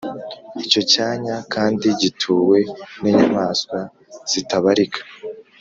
Icyo cyanya kandi gituwe n’inyamaswa zitabarika.